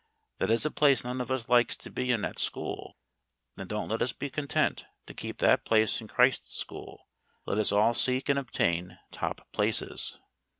That is a place none of us like to be in at school; then don't let us be content to keep that place in Christ's school; let us all seek and obtain top places.